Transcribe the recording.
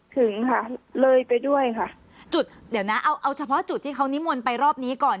ถึงค่ะเลยไปด้วยค่ะจุดเดี๋ยวนะเอาเอาเฉพาะจุดที่เขานิมนต์ไปรอบนี้ก่อน